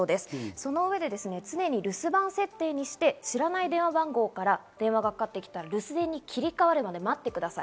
その上で常に留守番設定にして、知らない電話番号から電話がかかってきたら、留守電に切り替わるまで待ってください。